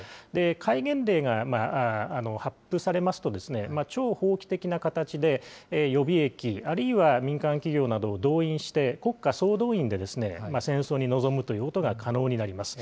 戒厳令が発布されますと、超法規的な形で予備役、あるいは、民間企業などを動員して、国家総動員で戦争に臨むということが可能になります。